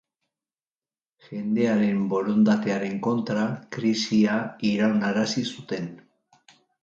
Jendearen borondatearen kontra, krisia iraunarazi zuten.